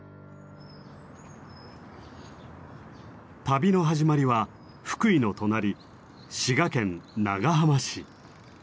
旅の始まりは福井の隣滋賀県長浜市。